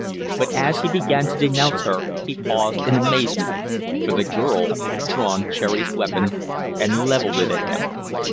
But as he began to denounce her he paused in amazement, for the girl had drawn Cherry's weapon and levelled it at him.